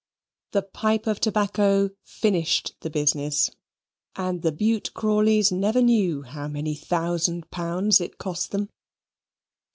The pipe of tobacco finished the business: and the Bute Crawleys never knew how many thousand pounds it cost them.